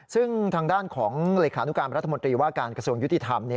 ซึ่งทางด้านของเลขานุการรัฐมนตรีว่าการกระทรวงยุติธรรม